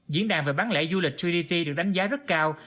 diễn đàn về bán lẻ du lịch trinity được đánh giá rất cao